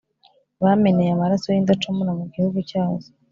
bameneye amaraso y’indacumura mu gihugu cyazo.